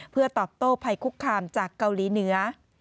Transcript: เพื่อตอบโต้ภัยคุกคามจากเกาหลีเหนือ